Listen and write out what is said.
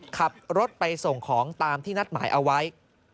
ขับรถไปส่งของตามที่นัดหมายเอาไว้